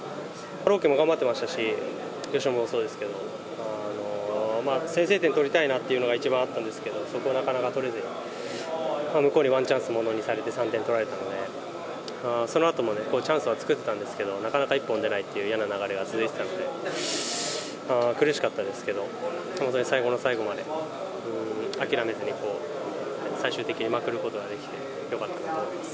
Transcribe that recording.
朗希も頑張ってましたし、由伸もそうですけど、先制点取りたいなっていうのが一番あったんですけど、そこもなかなか取れず、向こうにワンチャンスものにされて３点取られたので、そのあともチャンスは作ってたんですけど、なかなか一本出ないっていう、嫌な流れが続いてたので、苦しかったですけど、本当に最後の最後まで諦めずに最終的にまくることができて、よかったなと思います。